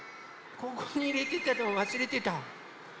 ここにいれてたのをわすれてた。